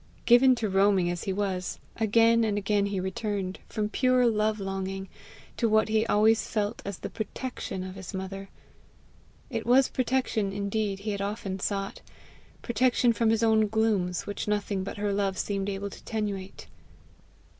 Given to roaming as he was, again and again he returned, from pure love longing, to what he always felt as the PROTECTION of his mother. It was protection indeed he often had sought protection from his own glooms, which nothing but her love seemed able to tenuate.